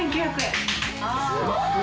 すごい！